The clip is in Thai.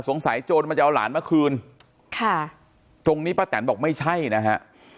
โจรมันจะเอาหลานมาคืนค่ะตรงนี้ป้าแตนบอกไม่ใช่นะฮะ